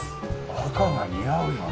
赤が似合うよね。